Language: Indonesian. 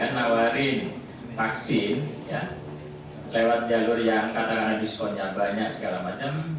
dia nawarin vaksin lewat jalur yang katanya diskonnya banyak segala macam